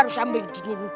untuk membebaskan bos jahil